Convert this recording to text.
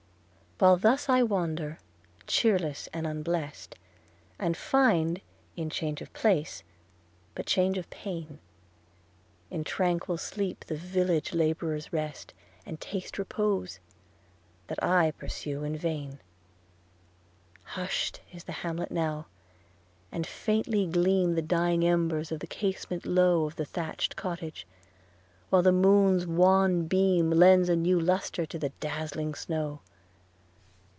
While thus I wander, cheerless and unblest, And find, in change of place, but change of pain; In tranquil sleep the village labourers rest, And taste repose, that I pursue in vain. Hush'd is the hamlet now; and faintly gleam The dying embers from the casement low Of the thatch'd cottage; while the moon's wan beam Lends a new lustre to the dazzling snow.